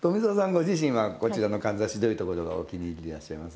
ご自身はこちらのかんざしどういうところがお気に入りでいらっしゃいます？